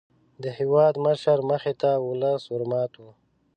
د هېوادمشر مخې ته ولس ور مات وو.